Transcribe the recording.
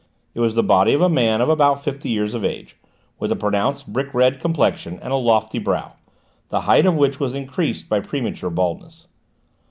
It was the body of a man of about fifty years of age, with a pronounced brick red complexion, and a lofty brow, the height of which was increased by premature baldness.